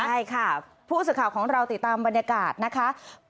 ใช่ค่ะผู้สื่อข่าวของเราติดตามบรรยากาศนะคะ